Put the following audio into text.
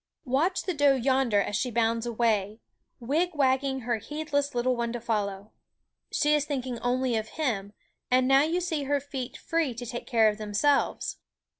Watch the doe yonder as she bounds away, wigwagging her heedless little one to follow. She is thinking only of him ; and now you see her feet free to take care of themselves.